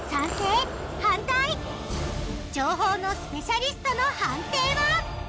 情報のスペシャリストの判定は？